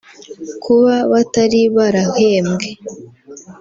Kuba batari barahembwe